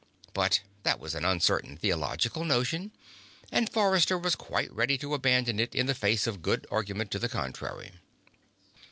But that was an uncertain theological notion, and Forrester was quite ready to abandon it in the face of good argument to the contrary.